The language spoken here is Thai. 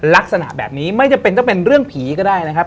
ลักษณะแบบนี้ไม่จำเป็นต้องเป็นเรื่องผีก็ได้นะครับ